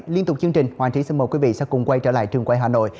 liên tục chương trình hoàng trí xin mời quý vị sẽ cùng quay trở lại trường quay hà nội